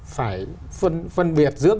phải phân biệt giữa